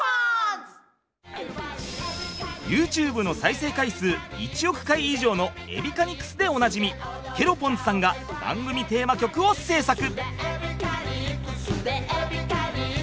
ＹｏｕＴｕｂｅの再生回数１億回以上の「エビカニクス」でおなじみケロポンズさんが番組テーマ曲を製作！